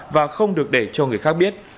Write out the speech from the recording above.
và không được để cho người khác biết